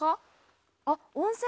あっ温泉？